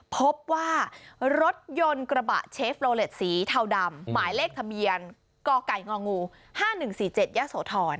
พบว่ารถยนต์กระบะเชฟโลเลสสีเทาดำหมายเลขทะเบียนกไก่ง๕๑๔๗ยะโสธร